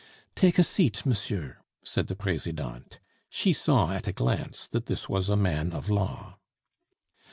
"Take a seat, monsieur," said the Presidente. She saw at a glance that this was a man of law.